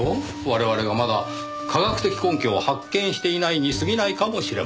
我々がまだ科学的根拠を発見していないに過ぎないかもしれません。